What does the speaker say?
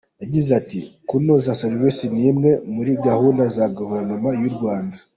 Yagize ati ”Kunoza serivisi ni imwe muri gahunda za guverinoma y’u Rwanda.